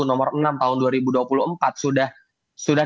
nomor enam tahun dua ribu dua puluh empat sudah